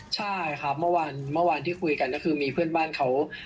ใช่ครับเมื่อวานเมื่อวานที่คุยกันก็คือมีเพื่อนบ้านเขา